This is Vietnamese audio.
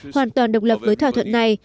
hoàn toàn độc lập với thỏa thuận này